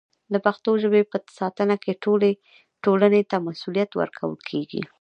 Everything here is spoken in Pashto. د پښتو ژبې په ساتنه کې ټولې ټولنې ته مسوولیت ورکول کېږي.